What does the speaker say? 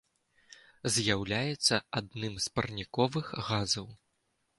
З'яўляецца адным з парніковых газаў.